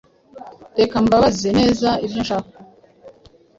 reka mbabaze neza ibyo nshaka